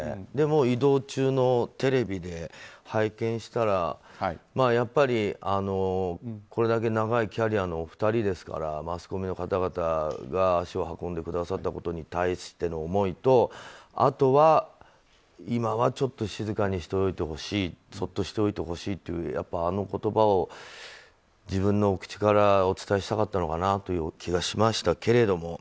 移動中のテレビで拝見したらやっぱり、これだけ長いキャリアのお二人ですからマスコミの方々が足を運んでくださったことに対しての思いとあとは、今はちょっと静かにしておいてほしいそっとしておいてほしいというあの言葉を自分の口からお伝えしたかった気がしますけど。